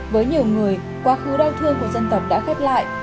với nhiều người quá khứ đau thương của dân tộc đã khép lại